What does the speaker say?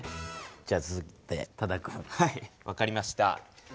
じゃあ続いて多田くん。はい分かりました。